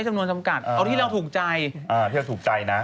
เอาที่เราถูกใจ